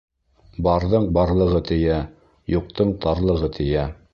Барҙың барлығы тейә, Юҡтың тарлығы тейә.